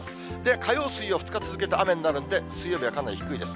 火曜、水曜、２日続けて雨になるんで、水曜日はかなり低いです。